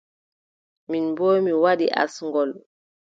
Min boo mi waɗi asngol.